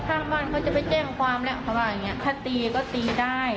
ข้างบ้านเขาจะไปแจ้งความแล้วเขาว่าอย่างเงี้ถ้าตีก็ตีได้